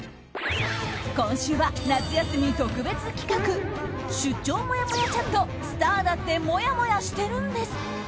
今週は夏休み特別企画出張もやもやチャットスターだってもやもやしてるんです！